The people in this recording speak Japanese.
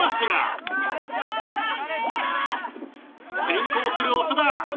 先行する長田。